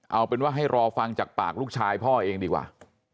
เอาเป็นว่าให้รอฟังจากปากลูกชายพ่อเองดีกว่า